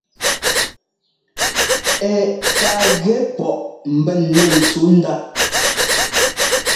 Ɛ ka gɛ pɔʼ mbɛn nɛ́ ntsǔnda.